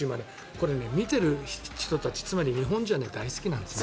これは見ている人たちつまり日本人は大好きなんですよ。